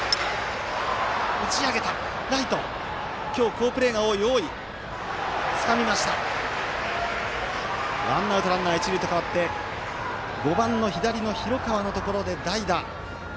ライト、今日好プレーが多い大井つかんでワンアウトランナー、一塁と変わって５番の広川のところで代打。